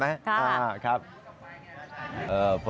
ครับครับครับครับครับ